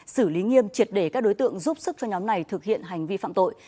xử lý nghiêm triệt để các đối tượng giúp sức cho nhóm này thực hiện hành vi phạm tội